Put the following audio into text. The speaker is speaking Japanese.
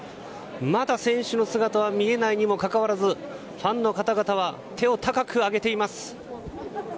まだ選手の姿は見えないにもかかわらずファンの方々は手を高く上げています。